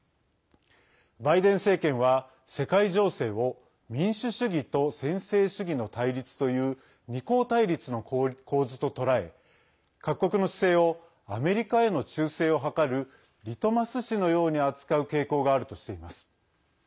バイデン政権は世界情勢を民主主義と専制主義の対立という二項対立の構図と捉え各国の姿勢をアメリカへの忠誠をはかるリトマス紙のように扱う傾向があるとしています。